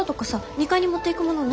２階に持っていくものない？